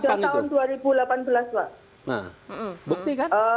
status mereka bagaimana